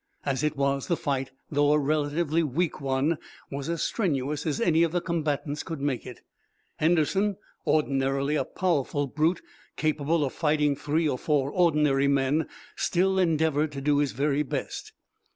As it was, the fight, although a relatively weak one, was as strenuous as any of the combatants could make it. Henderson, ordinarily a powerful brute capable of fighting three or four ordinary men, still endeavored to do his very best.